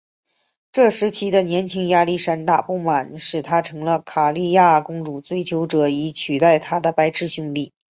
这时期的年轻亚历山大的不满使他成了卡里亚公主的追求者以取代他的白痴兄弟。